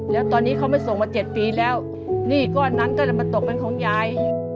แล้วตอนนี้เขาไม่ส่งมา๗ปีแล้วหนี้ก้อนนั้นก็เลยมาตกเป็นของยาย